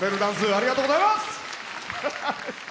ありがとうございます。